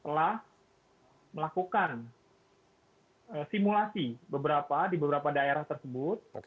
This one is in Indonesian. telah melakukan simulasi di beberapa daerah tersebut